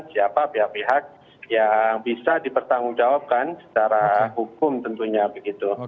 siapa pihak pihak yang bisa dipertanggungjawabkan secara hukum tentunya begitu